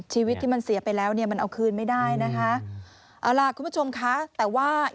ชีวิตที่มันเสียไปแล้ว